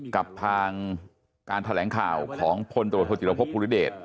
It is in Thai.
กับทางการแถลงข่าวของพตรธศภูนิเดช